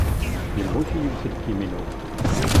Yemmut-iyi uselkim-inu.